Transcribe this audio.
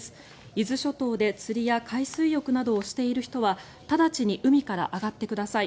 伊豆諸島で釣りや海水浴などをしている人は直ちに海から上がってください。